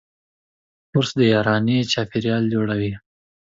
کورس د یارانې چاپېریال جوړوي.